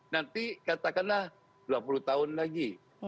nanti katakanlah dua puluh tahun lagi